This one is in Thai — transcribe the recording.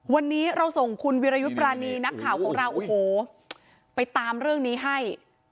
วันนี้เราส่งคุณวิรยุทธ์ปรานีนักข่าวของเราโอ้โหไปตามเรื่องนี้ให้